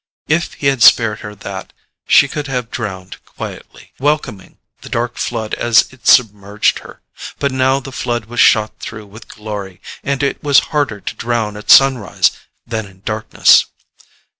If he had spared her that she could have drowned quietly, welcoming the dark flood as it submerged her. But now the flood was shot through with glory, and it was harder to drown at sunrise than in darkness.